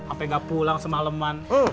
sampai gak pulang semaleman